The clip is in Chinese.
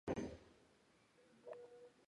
项目由兴业建筑师有限公司设计。